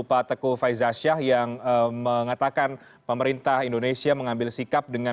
pak teguh faizasyah yang mengatakan pemerintah indonesia mengambil sikap dengan